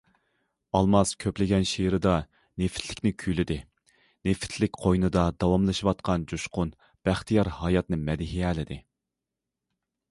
ئالماس كۆپلىگەن شېئىرىدا نېفىتلىكنى كۈيلىدى، نېفىتلىك قوينىدا داۋاملىشىۋاتقان جۇشقۇن، بەختىيار ھاياتنى مەدھىيەلىدى.